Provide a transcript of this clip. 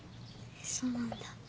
そうなんだ。